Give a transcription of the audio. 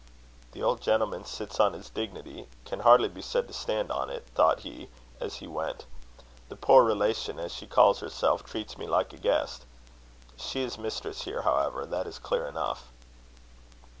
"The old gentleman sits on his dignity can hardly be said to stand on it," thought he, as he went. "The poor relation, as she calls herself, treats me like a guest. She is mistress here, however; that is clear enough."